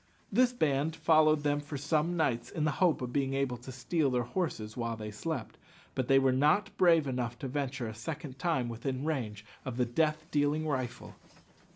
This band followed them for some nights, in the hope of being able to steal their horses while they slept; but they were not brave enough to venture a second time within range of the death dealing rifle.